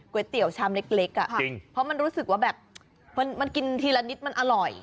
เตี๋ยวชามเล็กเพราะมันรู้สึกว่าแบบมันกินทีละนิดมันอร่อย